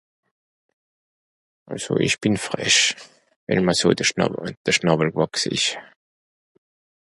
Àlso ìch bìn frech, wìl ma so de Schnàwel... de Schnàwel gwàchse-n-ìsch.